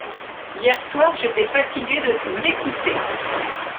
Hier soir j’étais fatigué de l’écouter.